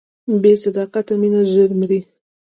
بې صداقته مینه ژر مري.